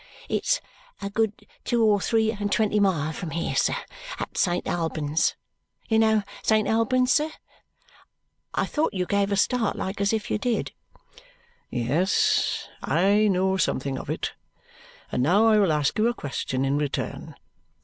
"It's a good two or three and twenty mile from here, sir. At Saint Albans. You know Saint Albans, sir? I thought you gave a start like, as if you did." "Yes, I know something of it. And now I will ask you a question in return.